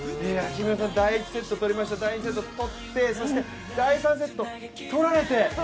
第１セットを取りました、第２セットも取ってそして第３セット、取られて。